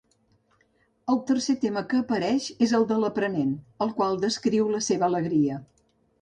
El tercer tema que apareix és el de l'aprenent, el qual descriu la seva alegria.